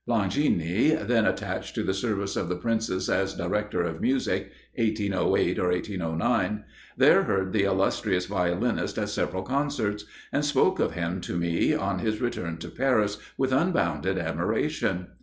Blangini, then attached to the service of the Princess as director of music (1808 or 1809), there heard the illustrious violinist at several concerts; and spoke of him to me, on his return to Paris, with unbounded admiration.